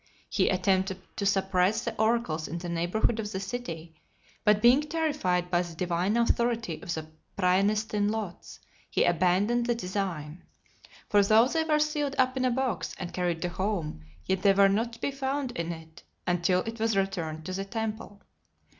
He attempted to suppress the oracles in the neighbourhood of the city; but being terrified by the divine authority of the (232) Praenestine Lots , he abandoned the design. For though they were sealed up in a box, and carried to home, yet they were not to be found in it, until it was returned to the temple.